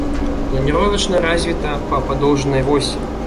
Планіровачна развіта па падоўжнай восі.